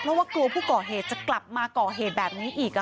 เพราะว่ากลัวผู้ก่อเหตุจะกลับมาก่อเหตุแบบนี้อีก